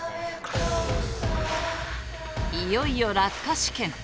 いよいよ落下試験。